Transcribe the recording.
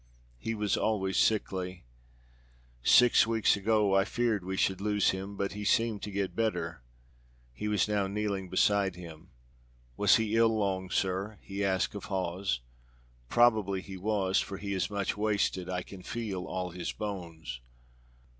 he was always sickly. Six weeks ago I feared we should lose him, but he seemed to get better." He was now kneeling beside him. "Was he long ill, sir?" asked he of Hawes. "Probably he was, for he is much wasted. I can feel all his bones."